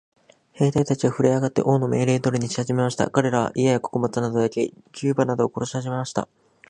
兵隊たちはふるえ上って、王の命令通りにしはじめました。かれらは、家や穀物などを焼き、牛馬などを殺しはじめました。